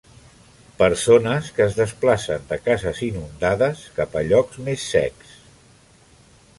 Persones que es desplacen de cases inundades cap a llocs més secs.